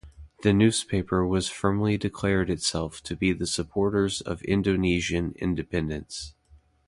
The newspaper was firmly declared itself to be the supporters of Indonesian independence.